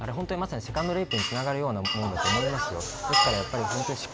まさにセカンドレイプにつながるようなものだと思います。